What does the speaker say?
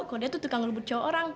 kalo dia tuh tukang ngambil cowok orang